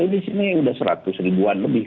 di sini sudah seratus ribuan lebih